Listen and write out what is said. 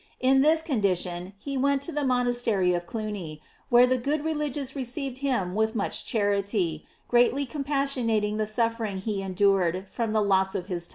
In this condition he went to the monastery of Cluny, where the good religious received him with much charity, greatly compassionating the suffering he endured from the loss of h^tonguSs But * Andr.